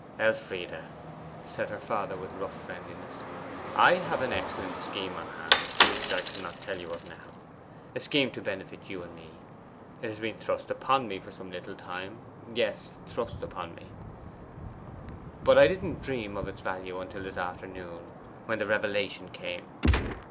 'Elfride,' said her father with rough friendliness, 'I have an excellent scheme on hand, which I cannot tell you of now. A scheme to benefit you and me. It has been thrust upon me for some little time yes, thrust upon me but I didn't dream of its value till this afternoon, when the revelation came.